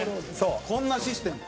こんなシステム」